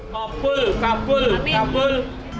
kepul kepul kepul